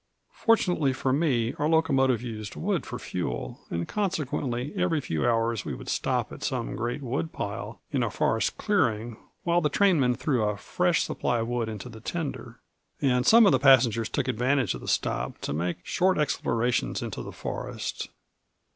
Fortunately for me, our locomotive used wood for fuel, and consequently every few hours we would stop at some great woodpile in a forest clearing while the trainmen threw a fresh supply of wood into the tender; and some of the passengers took advantage of the stop to make short explorations into the forest.